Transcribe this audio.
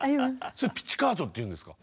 それピチカートっていうんですか？